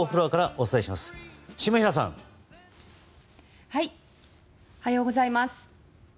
おはようございます。